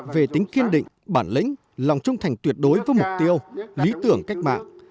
khiến kiên định bản lĩnh lòng trung thành tuyệt đối với mục tiêu lý tưởng cách mạng